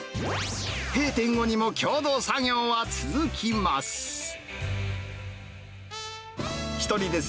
閉店後にも共同作業は続きます。